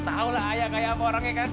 tau lah ayah kaya apa orangnya kan